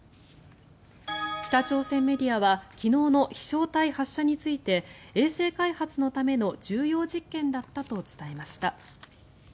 北朝鮮メディアは昨日の飛翔体発射について衛星開発のための重要実験だったと伝えました。